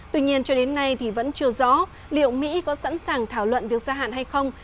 tuy nhiên cho đến nay thì vẫn chưa rõ liệu mỹ có sẵn sàng thảo luận việc gia hạn hay không